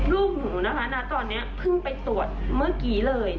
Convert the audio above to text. ลูกหนูนะคะณตอนนี้เพิ่งไปตรวจเมื่อกี้เลย